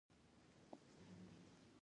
زړه د اعتماد قوت دی.